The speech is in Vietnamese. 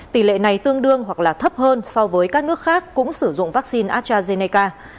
tỷ lệ này tương đương hoặc là thấp hơn so với các nước khác cũng sử dụng vaccine astrazeneca